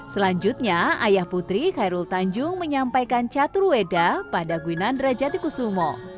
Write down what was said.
selanjutnya ayah putri khairul tanjung menyampaikan catur weda pada gwinandra jatikusumo